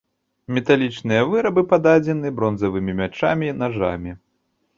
Металічныя вырабы пададзены бронзавымі мячамі, нажамі.